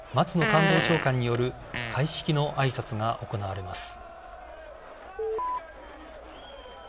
官房長官による開式のあいさつが行われます。